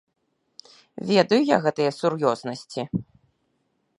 Ведаю я гэтыя сур'ёзнасці.